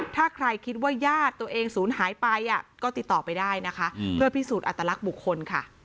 ถ้าใครคิดว่าญาติตัวเองศูนย์หายไปก็ติดต่อไปได้นะคะเพื่อพิสูจน์อัตลักษณ์บุคคลค่ะ